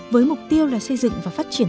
với mục tiêu là xây dựng và phát triển